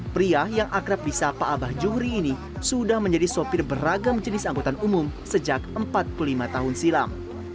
pria yang akrab di sapa abah juhri ini sudah menjadi sopir beragam jenis angkutan umum sejak empat puluh lima tahun silam